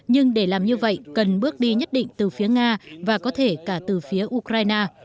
nhưng để làm như vậy cần bước đi nhất định từ phía nga và có thể cả từ phía ukraine